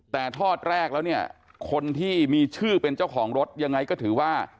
แต่ทอดแรกแล้วเนี่ยคนที่มีชื่อเป็นเจ้าของรถยังไงก็ถือว่า